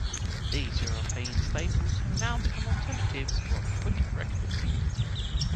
These European staples have now become alternatives for a quick breakfast.